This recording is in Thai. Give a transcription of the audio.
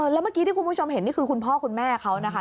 แล้วเมื่อกี้ที่คุณผู้ชมเห็นนี่คือคุณพ่อคุณแม่เขานะคะ